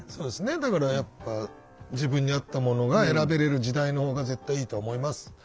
だからやっぱ自分に合ったものが選べれる時代のほうが絶対いいと思います。